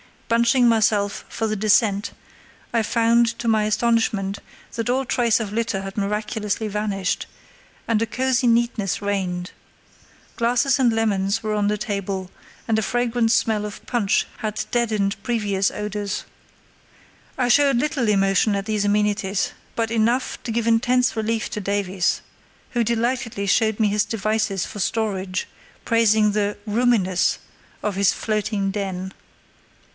Bunching myself for the descent I found to my astonishment that all trace of litter had miraculously vanished, and a cosy neatness reigned. Glasses and lemons were on the table, and a fragrant smell of punch had deadened previous odours. I showed little emotion at these amenities, but enough to give intense relief to Davies, who delightedly showed me his devices for storage, praising the "roominess" of his floating den.